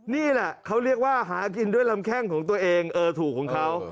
นี่แหละเขาเรียกว่าหากินด้วยลำแข้งของตัวเองเออถูกของเขา